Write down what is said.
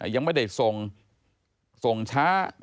ยังไม่ได้ส่งส่งช้า